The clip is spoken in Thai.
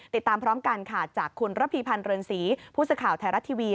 ติดตามพร้อมกันจากคุณระภีพันธ์เรินศรีผู้สึกข่าวไทยรัตน์ทีวี